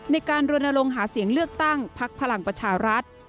ในการรณรงค์หาเสียงเลือกตั้งพักพลังประชารัฐ